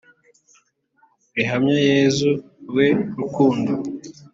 rihamya yezu we rukundo